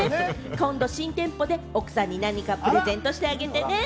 今度、新店舗で何かプレゼントしてあげてね。